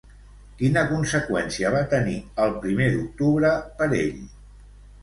Quina conseqüència va tenir el primer d'octubre per ell?